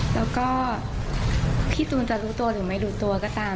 แล้วก็พี่ตูนจะรู้ตัวหรือไม่รู้ตัวก็ตาม